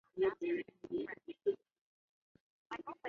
比弗镇区为美国堪萨斯州史密斯县辖下的镇区。